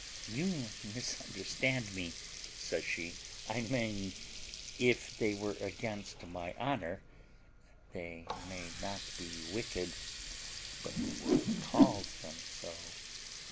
"You misunderstand me," says she; "I mean if they were against my honour, they may not be wicked; but the world calls them so.